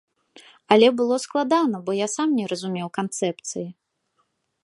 Але было складана, бо я сам не разумеў канцэпцыі.